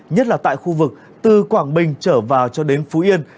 nhất là tại khu vực từ quảng bình trở vào cho đến phú yên